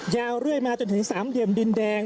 ยาวเรื่อยมาจนถึงสามเหลี่ยมดินแดง